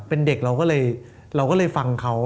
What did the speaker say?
เป็นเด็กแล้วเราก็เลยคงฟังเขา